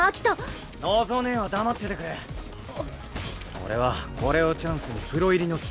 俺はこれをチャンスにプロ入りのきっかけにする。